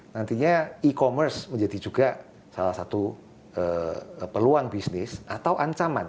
nantinya e commerce menjadi juga salah satu peluang bisnis atau ancaman